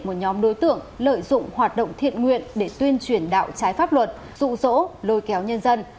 một nhóm đối tượng lợi dụng hoạt động thiện nguyện để tuyên truyền đạo trái pháp luật dụ dỗ lôi kéo nhân dân